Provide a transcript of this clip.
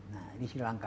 nah di sri lanka